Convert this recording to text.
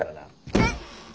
えっ。